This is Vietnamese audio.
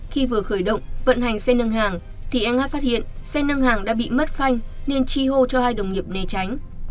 khi vừa khởi động vận hành xe nâng hàng thì anh hát phát hiện xe nâng hàng đã bị mất phanh nên chi hô cho hai đồng nghiệp né tránh